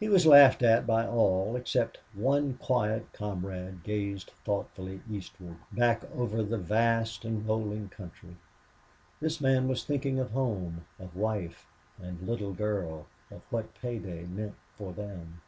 He was laughed at by all except one quiet comrade who gazed thoughtfully eastward, back over the vast and rolling country. This man was thinking of home, of wife and little girl, of what pay day meant for them.